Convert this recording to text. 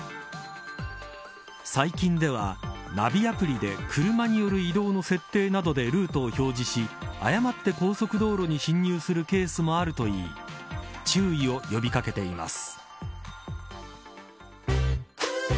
最近では、ナビアプリで車による移動の設定などでルートを表示し誤って高速道路に進入するケースもあるといい注意を呼び掛けています。